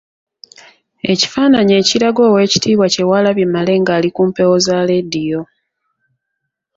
Ekifaananyi ekiraga Oweekitiibwa Kyewalabye Male nga ali ku mpewo za leediyo.